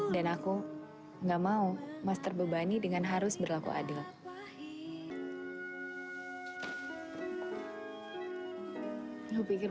dan aku nggak mau mas terbebani dengan harus berlaku adil